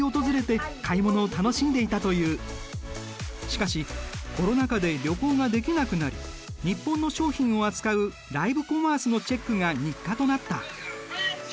しかしコロナ禍で旅行ができなくなり日本の商品を扱うライブコマースのチェックが日課となった。